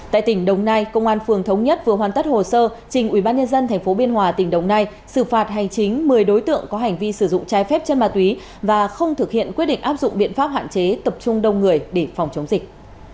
tại tỉnh đồng nai công an phường thống nhất vừa hoàn tất hồ sơ trình ubnd tp biên hòa tỉnh đồng nai xử phạt hành chính một mươi đối tượng có hành vi sử dụng trái phép chân ma túy và không thực hiện quyết định áp dụng biện pháp hạn chế tập trung đông người để phòng chống dịch